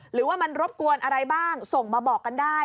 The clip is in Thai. หรือว่ามันรบกวนอะไรบ้างส่งมาบอกกันได้